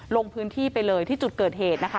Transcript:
ลงพื้นที่ไปเลยที่จุดเกิดเหตุนะคะ